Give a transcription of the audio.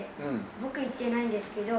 僕行ってないんですけど。